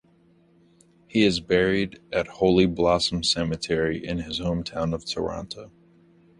He is buried at Holy Blossom Cemetery, in his home town of Toronto.